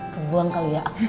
kebuang kali ya